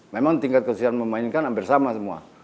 memang tingkat kesulitan memainkan hampir sama semua